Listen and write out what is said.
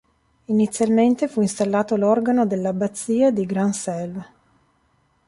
Inizialmente fu installato l'organo dell'abbazia di Grand-Selve.